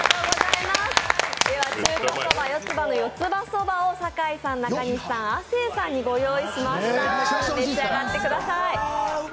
中華そば四つ葉の四つ葉そばを酒井さん、中西さん、亜生さんにご用意しました、召し上がってください。